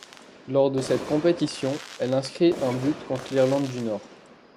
Lors de cette compétition, elle inscrit un but contre l'Irlande du Nord.